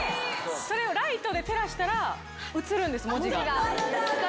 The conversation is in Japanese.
それをライトで照らしたら、映るんです、文字が。